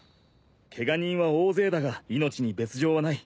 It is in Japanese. ケガ人は大勢だが命に別条はない。